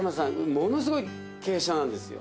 ものすごい傾斜なんですよ。